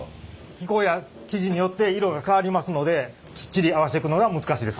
気候や生地によって色が変わりますのできっちり合わせていくのが難しいです。